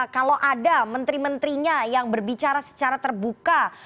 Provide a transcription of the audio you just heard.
kalau ada menteri menterinya yang berbicara secara terbuka